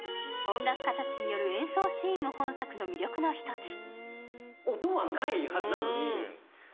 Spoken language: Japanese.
音楽家たちによる演奏シーンも本作の魅力の一つ。